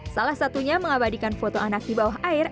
salah satunya mengabadikan foto anak di bawah air